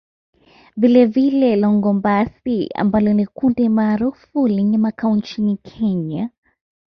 Vilevile Longombas ambalo ni kundi maarufu lenye makao nchini Kenya